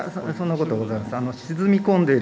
そんなことございません。